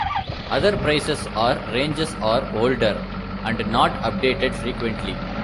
Other prices are ranges or older and not updated frequently.